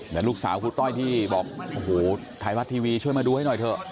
แต่ลูกสาวครูต้อยที่บอกโอ้โหไทยรัฐทีวีช่วยมาดูให้หน่อยเถอะ